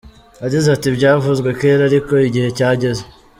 Yagize ati “Byavuzwe kera ariko igihe cyageze.